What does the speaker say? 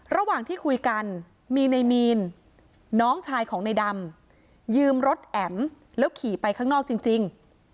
ระหว่างที่คุยกันมีในมีนน้องชายของในดำยืมรถแอ๋มแล้วขี่ไปข้างนอกจริง